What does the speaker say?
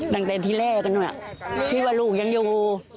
ตั้งแต่ที่แรกกันหน่อยคิดว่าลูกยังอยู่